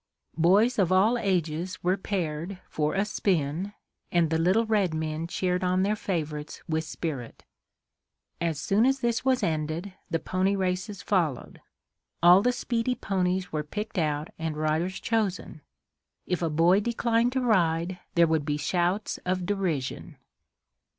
Boys of all ages were paired for a "spin," and the little red men cheered on their favorites with spirit. As soon as this was ended, the pony races followed. All the speedy ponies were picked out and riders chosen. If a boy declined to ride, there would be shouts of derision.